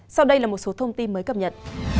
sau đây là một số thông tin mới cập nhật